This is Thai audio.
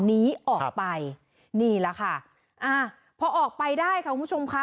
นี้ออกไปนี่แหละค่ะอ่าพอออกไปได้ค่ะคุณผู้ชมค่ะ